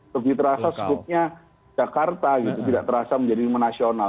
lebih terasa sebutnya jakarta gitu tidak terasa menjadi menasional